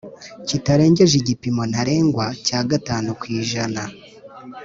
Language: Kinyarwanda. Kitarengeje igipimo ntarengwa cya gatanu ku ijana